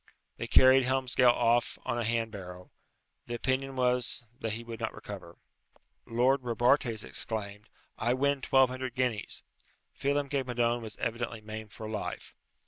They carried Helmsgail off on a hand barrow. The opinion was that he would not recover. Lord Robartes exclaimed, "I win twelve hundred guineas." Phelem ghe Madone was evidently maimed for life.